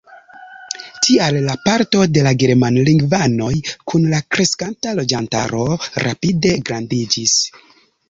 Tial la parto de la germanlingvanoj kun la kreskanta loĝantaro rapide grandiĝis.